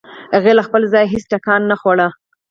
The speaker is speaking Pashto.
هغې له خپل ځايه هېڅ ټکان نه خوړ.